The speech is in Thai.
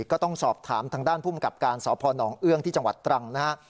ก็ต้องสอบถามทางด้านภูมิกับการสพนเอื้องที่จังหวัดตรังนะฮะ